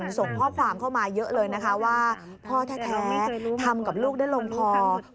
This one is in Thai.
ส่งข้อความเข้ามาเยอะเลยนะคะว่าพ่อแท้ทำกับลูกได้ลงพอ